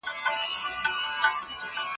ته موږ ته هم په اونۍ کي حد اقل يوه ورځ وټاکه.